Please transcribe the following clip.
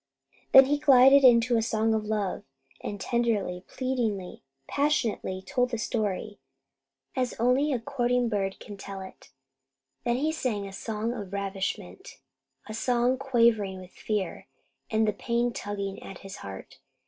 Then he glided into a song of love, and tenderly, pleadingly, passionately, told the story as only a courting bird can tell it. Then he sang a song of ravishment; a song quavering with fear and the pain tugging at his heart.